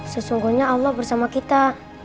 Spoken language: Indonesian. sesungguhnya allah bersama kita